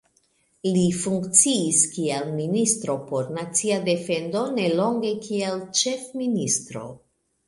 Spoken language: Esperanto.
Li funkciis kiel ministro por nacia defendo, nelonge kiel ĉefministro.